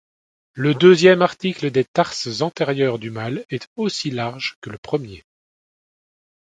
Le deuxième article des tarses antérieurs du mâle est aussi large que le premier.